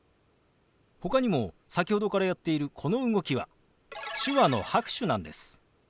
ほかにも先ほどからやっているこの動きは手話の拍手なんです。